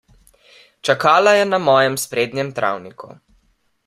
Čakala je na mojem sprednjem travniku.